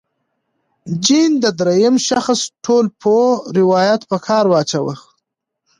جین د درېیم شخص ټولپوه روایت په کار واچاوه.